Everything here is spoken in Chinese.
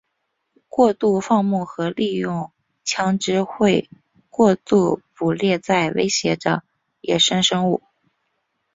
过度放牧和利用枪枝过度捕猎在威胁着野生生物。